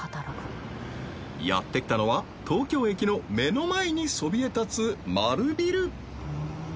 やってきたのは東京駅の目の前にそびえ立つ丸ビル